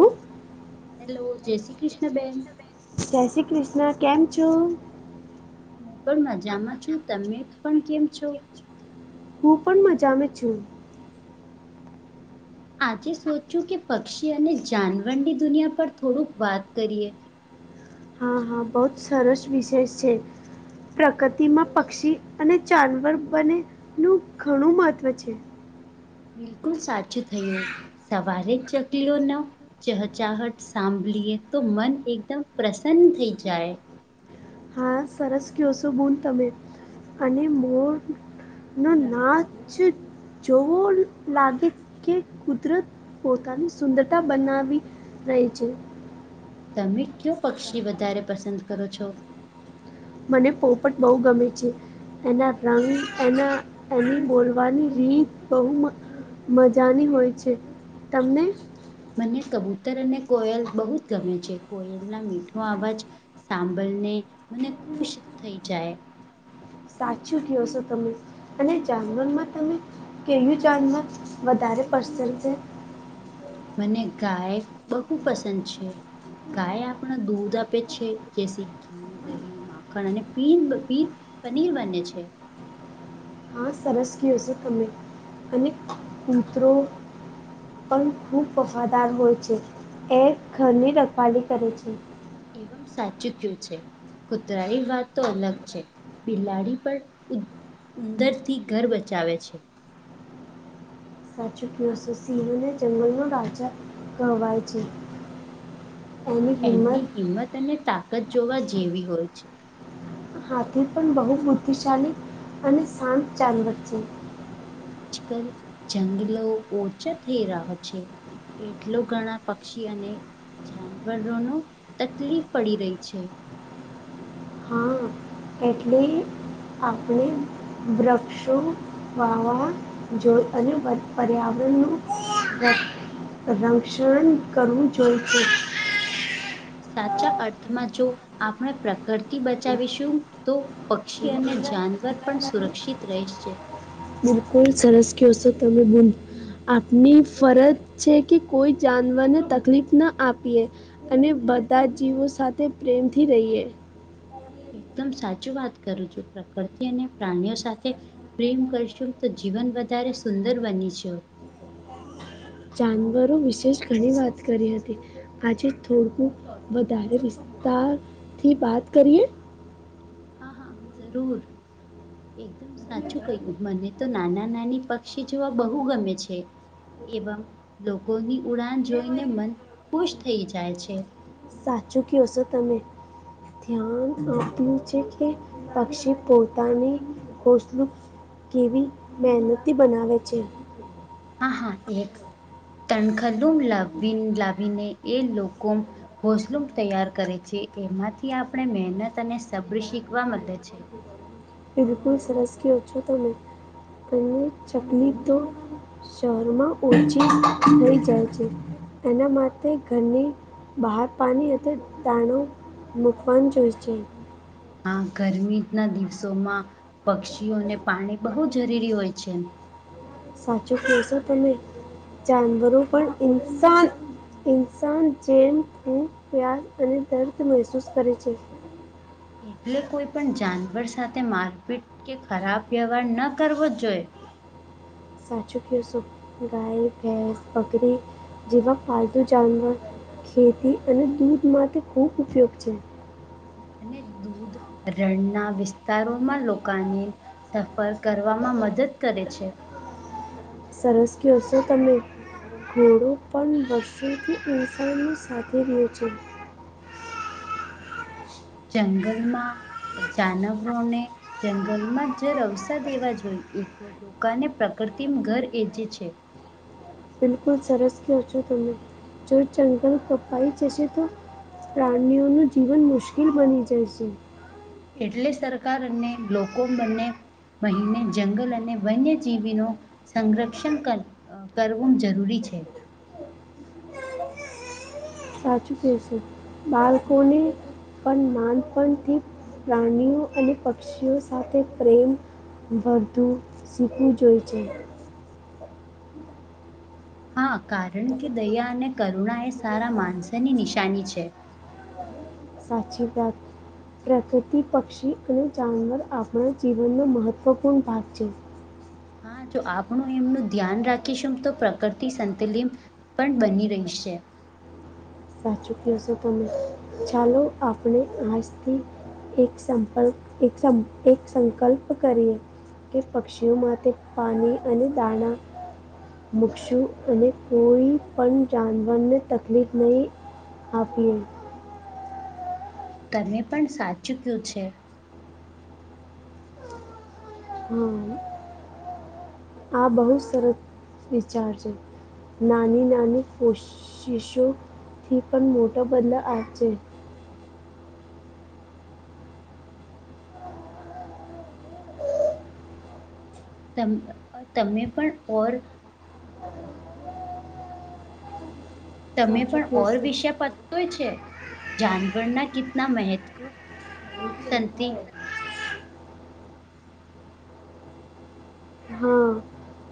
ઓ hello જય શ્રી ક્રિષ્ન બેેન. જય શ્રી ક્રિષ્ન કેમ છો? હું પણ મજામાં છું, તમે પણ કેમ છો? હું પણ મજામાં છું. આજે સોચ્યું કે સાંજે એક પક્ષી કવિતા અને વિચારતી જાનવરની હતી. દુનિયા પર થોડુંક વાત કરીએ. હા, હા બઉ જ સરસ વિષય શે. પ્રકૃતિમાં પક્ષી અને જાનવર બનેનું ઘણું મહત્ત્વ છે. બિલકુલ સાચું થયું, સવારે ચકલીઓના ચહચાહટ સાંભળીએ તો મન એકદમ પ્રસન્ન થઈ જાય. હા, સરસ કયો શો બૂન તમે, અને મોર નો નાચ જોવો લાગે કે કુદરત પોતાની સુંદરતા બનાવી રઈ છે. તમે કયો પક્ષી વધારે પસંદ કરો છો? મને પોપટ બઉ ગમે છે. એના રંગ, એના ઓલુ બોલવાની રીત બઉ મ મજાની હોય છે, તમને? મને કબૂતર અને કોયલ બહુ જ ગમે છે કોયલ ના મીઠો અવાજ. સાંભળને મને ખુશ થઈ જાય. સાચું ક્યો છો તમે, અને જાણવાની માં તમે ક્યુ જાનવર વધારે પસંદ છે? મને ગાય બહુ પસંદ છે. ગાય આપણા દૂધ આપે છે, દેશી ઘી દહીં માખણ અને પનીર બને છે. હ સરસ કયો છો તમે અને [unintelligible] પણ ખૂબ વફાદાર હોય છે, એ ઘરની રખવાળી કરે છે. એવમ સાચુ કયું છે. કુતરાની વાત તો અલગ છે, બિલાડી પણ ઉંદરથી ઘર બચાવે છે. સાચું ક્યો છો સિંહને જંગલનો રજા કહેવાય છે. એની એમની હિંમત હિંમત અને તાકત જોવા જેવી હોય છે. હાથી પણ બહુ બુદ્ધિશાળી, અને શાંત જાનવર છે. આજકલ જંગલો ઓછા થઈ રહ્યા છે. એટલો ઘણા પક્ષી અને જાનવરોને તકલીફ પડી રહી છે. હા. એટલે આપણે વૃક્ષો વાવા જો અને પર્યાવરણનું રક્ષણ કરવું જોઈ છે, સાચા અર્થમાં જો આપણે પ્રકૃતિ બચાવીશું તો, પક્ષી અને જાનવર પણ સુરક્ષિત રહે છે. બિલકુલ સરસ ક્યો સોં તમે બેન, આપની ફરજ છે કે કોઈ જાનવરને તકલીફ ના આપીએ, અને બધા જ જીવો સાથે પ્રેમથી રહીએ, એકદમ સાચું વાત કરું છું, પ્રકૃતિ અને પ્રાણીઓ સાથે પ્રેમ કરશું તો જીવન વધારે સુંદર બને છે. જાનવરો વિશેષ ઘણી વાત કરી હતી, આજે થોડુક વધારે વિસ્તારથી વાત કરીએ? હા હા, જરૂર એકદમ સાચું કઈું મને તો નાના નાની પક્ષી જોવા બહુ ગમે છે. એવમ લોકોની ઉડાન જોઈને મન ખુશ થઈ જાય છે, સાચું ક્યો સોં તમે, ધ્યાન આપ્યું છે, કે પક્ષી પોતાને ઘોસલું કેવી મહેનતથી બનાવે છે. હા હા, એક તણખલુમ લાવીને એ લોકો ઘોસલું તૈયાર કરે છે, એમાંથી આપણે મહેનત અને સબ્ર શીખવા મળે છે. બિલકુલ સરસ ક્યો છો તમેં કરીને ચકલી તો શહેરમાં ઓછી થઈ જાય છે, એના માટે ઘરની બહાર પાણી અને દાણો [inaudible] જોઈ છે. આ ગરમીના દિવસોમાં પક્ષીઓને પાણી બહુ જરૂરી હોય છે. સાચું ક્યો છો તમે જાનવરો પણ ઇન્સાન ઇન્સાન જેમ પ્યાર અને દર્દ મહેસૂસ કરે છે. એટલે કોઈ પણ જાનવર સાથે મારપીટ કે ખરાબ વ્યવહાર ન કરવો જોઈએ, સાચું ક્યો સોં ગાય, ભેંસ, બકરી, જેવા પાલતુ જાનવર ખેતી અને દૂધ માટે ખૂબ ઉપયોગ છે. અને દૂધ રણના વિસ્તારોમાં લોકાને તફર કરવામાં મદદ કરે છે. સરસ કયો છો તમે. ઘોડો પણ વર્ષોથી ઉષણની સાથે રહ્યો છે, ચંગલમાં જાનવોને જંગલમાં જરઅવસા દેવા જોઈ એક લોકાને પ્રકરતી ઘર એજે છે. બિલકુલ સરસ કયો છો તમે જો જંગલ કપાઈ જશે તો, પ્રાણીઓનું જીવન મુશ્કિલ બની જાય છે. એટલેજ સરકાર અને લોકો બને મહિને જંગલ અને વન્યજીવીનો સંરક્ષણ કર અ કરવું જરૂરી છે. સાચું કેશો બાળકોને પણ નાનપણથી પ્લાનિઓ અને પક્ષીઓ સાથે પ્રેમ બર્ધું શીખવું જોઈ છે. હા, કારણ કે દયા અને કરુણા એ સારા માણસની નિશાની છે. સાચી વાત પ્રકૃતિ પક્ષી અને જાનવર આપણો જીવનનો મહત્ત્વપૂર્ણ ભાગ છે. હા જો આપણું એમનું ધ્યાન રાખીશું તો પ્રકૃતિ સંતલીત પણ બની રહી શે. સાચું કેસો તો જાનુ આપડે આજથી એક સંપલક એક સંપ એક સંકલ્પ કરીએ. એ પક્ષીઓ માટે પાણી અને દાણા. મૂકશું અને કોઈ પણ જાનવરને તકલીફ નહીં આપીયે. કને પણ સાચું થયું છે. હમ. આ બહુ સરસ વિચાર છે. નાની નાની કોશ-શી-શોથી પણ મોટો બદલા આવે છે. તમ તમને પણ ઓર તમે સાચું પણ કહો ઓર છો વિષય પ તો છે, જાનવરના કિતના મહત્વ સંતિ હા,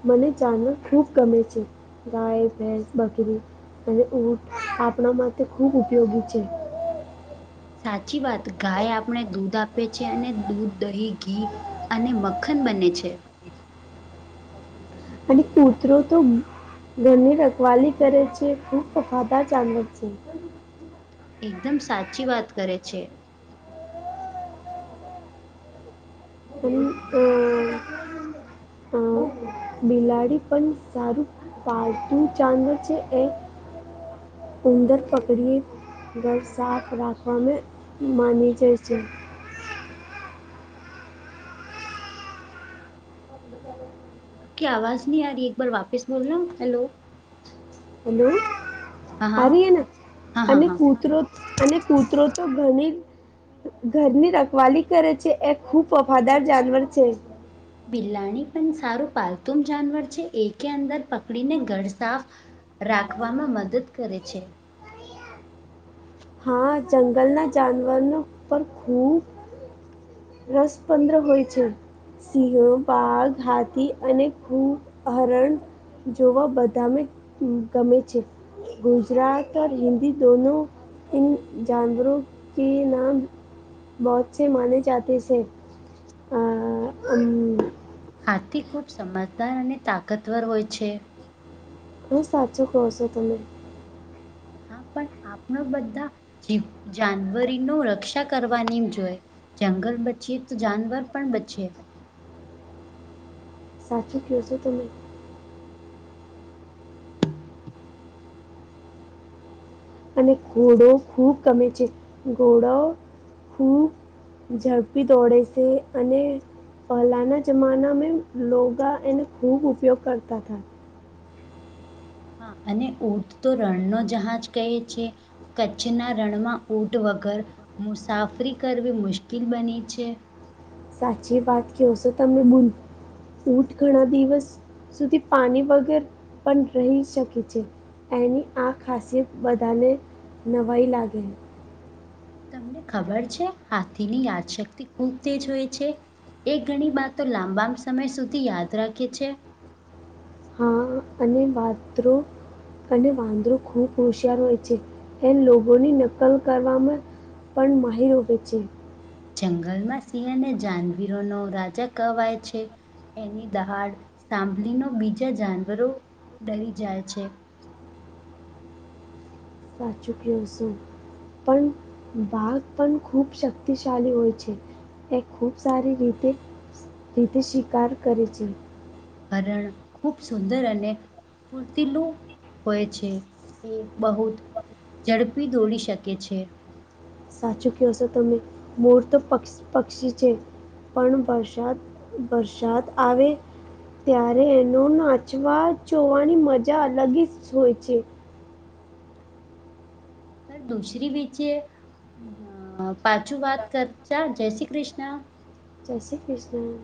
મને જાનવર ખુબ ગમે છે. ગાય ભેંસ બકરી અને ઊંટ આપણા માટે ખૂબ ઉપયોગી છે. સાચી વાત ગાય આપણે દૂધ આપે છે અને દૂધ દહી ઘી. અને મખન બને છે. અને કૂતરો તો ઘરની રખવાલી કરે છે ખૂબ વફાદાર જાનવર છે. એકદમ સાચી વાત કરે છે. હમ તો [unintelligible] બિલાડી પણ સારું પાલતુ જાનવર છે એ ઉંદર પકડી ઘર સાફ રાખવાનું માની જાય છે. આપકી આવાજ નહી આ રહી એક બાર વાપસ બોલોને હેલો. હેલો હા આ હા રહી હે, ના હા હા અને હા કુતરો અને કૂતરો તો ઘરની ઘરની રખવાલી કરે છે એ ખૂબ વફાદાર જાનવર છે. બિલાણી પણ સારું પાલતુન જાનવર છે એક અંદર પકડીને ઘર સાફ. રાખવામાં મદદ કરે છે. હા, જંગલના જાનવર પર ખૂબ રસપ્રદ હોય છે. સિંહ, વાઘ, હાથી અને ખૂબ હરણ. જોવા બધાને ગમે છે, ગુજરાતીમાં અને હિન્દીમાં બંને. હા, જાનવરોના નામ બહુ છે મને. આ હમ. હાથી ખૂબ સમજદાર અને તાકાતવર હોય છે. હા તમે સાચું કહો છો. હા, પણ આપણે બધા જ જાનવરોની રક્ષા કરવાની જોઈએ. જંગલ બચી જાય તો જાનવર પણ બચે. સાચું કહો છો તમે. અને ઘોડો ખૂબ ગમે, ઘોડો. ઝડપી દોડે છે, અને પહેલાના જમાના મે લોગા તેનો ખૂબ ઉપયોગ કરતા તા. હા. અને ઊંટ તો રણનો જહાજ કહે છે. કચ્છના રણમાં ઊંટ વગર મુસાફરી કરવી મુશ્કિલ બને છે. સાચી વાત ક્યો સો તમે. [unintelligible] ઊંટ ઘણા દિવસ સુધી પાણી વગર પણ રહી શકે છે. એની આ ખાસિયત બધાને નવાઈ લાગે. તમને ખબર છે? હાથીની યાદશક્તિ ખૂબ તેજ હોય છે. એ ઘણી વાતો લાંબા સમય સુધી યાદ રાખે છે. હા. અને [unintelligible] અને વાંદરો ખૂબ હોશિયાર હોય છે. એ લોકોની નકલ કરવામાં પણ માહિર હોવે છે. જંગલમાં સિંહ અને જાનવીરોનો રાજા કહેવાય છે. એની દહાડ સાંભળીનો બીજા જાનવરો ડરી જાય છે. સાચું ક્યો સો. પણ બાઘ ખૂબ શક્તિશાલી હોય છે. એ ખૂબ સારી રીતે સીધી શિકાર કરે છે. હરણ ખૂબ સુંદર અને ફૂર્તિલું હોએ છે. એ બહુત ઝડપી દોડી શકે છે. સાચું ક્યો સો તમે. મોર તો પક્ષ પક્ષી છે. પણ વરસાદ-વરસાદ આવે ત્યારે એનો નાચવા જોવાની મજા અલગ હી જ હોય છે. [unintelligible] દૂસરી બી છે. અહ પાછું વાત કરતાં, જય શ્રી કૃષ્ણા. જય શ્રી કૃષ્ણા.